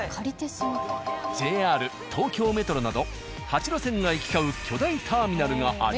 ＪＲ東京メトロなど８路線が行き交う巨大ターミナルがあり。